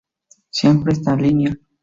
Siempre está en línea.